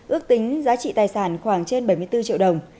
ước tính giá trị tài sản khoảng trên bảy mươi bốn triệu đồng